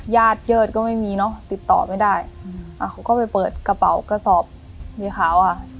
ญาติเยิดก็ไม่มีเนอะติดต่อไม่ได้เขาก็ไปเปิดกระเป๋ากระสอบสีขาวค่ะ